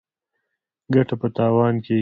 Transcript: ګټه په تاوان کیږي.